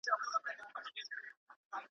ورځه خپله مزدوري دي ترې جلا كه.